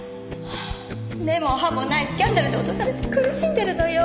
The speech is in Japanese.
根も葉もないスキャンダルで脅されて苦しんでるのよ。